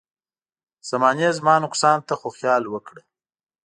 زمانې زما نقصان ته خو خيال وکړه.